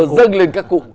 dân lên các cụ